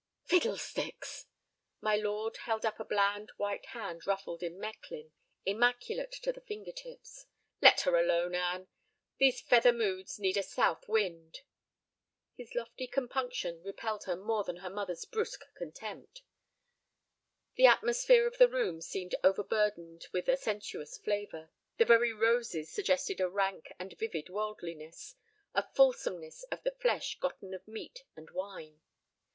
"Fiddlesticks!" My lord held up a bland white hand ruffled in Mechlin, immaculate to the finger tips. "Let her alone, Anne. These feather moods need a south wind." His lofty compunction repelled her more than her mother's brusque contempt. The atmosphere of the room seemed overburdened with a sensuous flavor. The very roses suggested a rank and vivid worldliness, a fulsomeness of the flesh gotten of meat and wine.